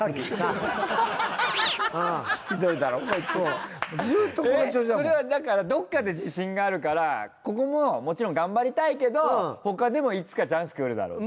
えっそれはだからどっかで自信があるからここももちろん頑張りたいけど他でもいつかチャンス来るだろうと。